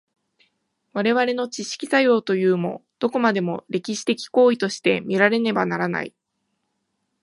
我々の知識作用というも、どこまでも歴史的行為として見られねばならない。